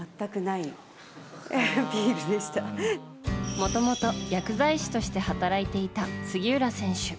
もともと薬剤師として働いていた杉浦選手。